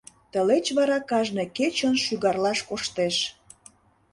Тылеч вара кажне кечын шӱгарлаш коштеш.